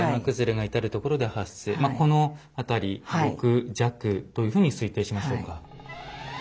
まあこの辺り６弱というふうに推定しましょうか。